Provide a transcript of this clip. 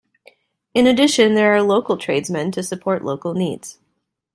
In addition there are local tradesmen to support local needs.